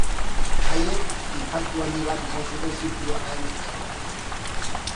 Haiek inpaktu handi bat izan zuten zirkulu akademikoetan.